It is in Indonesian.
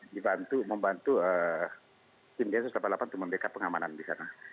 dibantu membantu tim densus delapan puluh delapan untuk mendekat pengamanan disana